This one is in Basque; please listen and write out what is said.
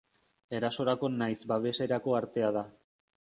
Erasorako nahiz babeserako artea da.